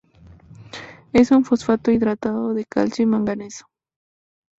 Es un fosfato hidratado de calcio y manganeso.